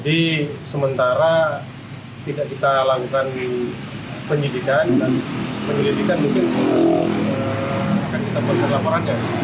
ditemukan ada yang tidak juga